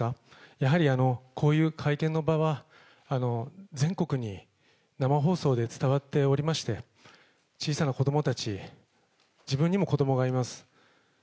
やはりこういう会見の場は、全国に生放送で伝わっておりまして、小さな子どもたち、自分にも子どもがいます。